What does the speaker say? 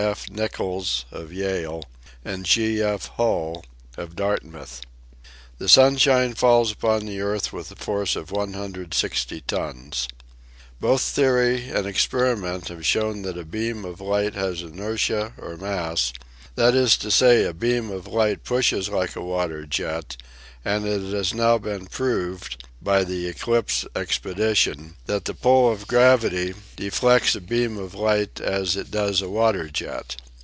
F. Nichols of Yale and G. F. Hull of Dartmouth. The sunshine falls upon the earth with a force of 160 tons. Both theory and experiment have shown that a beam oi light has inertia or mass, that is to say, a beam of light pushes like a water jet, and it has now been proved, by the eclipse expedition, that the pull of gravity de 68 EASY LESSONS IN EINSTEIN fleets a beam of light as it does a water jet.